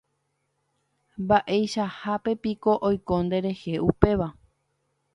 Mba'eichahápepiko oiko nderehe upéva.